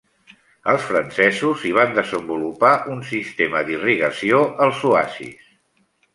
Els francesos hi van desenvolupar un sistema d'irrigació als oasis.